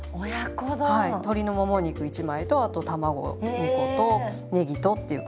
鶏のもも肉１枚とあと卵２個とねぎとっていう感じで。